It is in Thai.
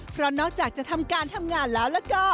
เพราะนอกจากจะทำการทำงานแล้วแล้วก็